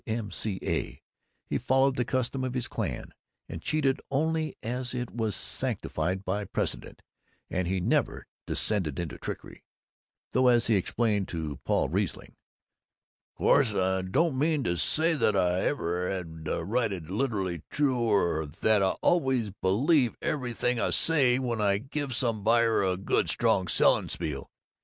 M. C. A.; he followed the custom of his clan and cheated only as it was sanctified by precedent; and he never descended to trickery though, as he explained to Paul Riesling: "Course I don't mean to say that every ad I write is literally true or that I always believe everything I say when I give some buyer a good strong selling spiel.